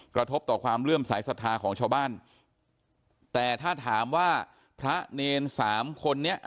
กระทบต่อความเลื่อมสายศรัทธาของชาวบ้านแต่ถ้าถามว่าพระเนรสามคนนี้